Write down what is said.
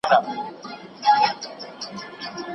تخلیقي ادب لوستونکی جذبوي.